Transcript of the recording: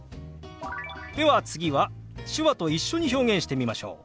では次は手話と一緒に表現してみましょう。